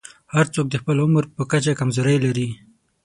هر څوک د خپل عمر په کچه کمزورۍ لري.